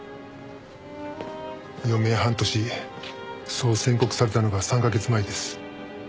余命半年そう宣告されたのが３カ月前です。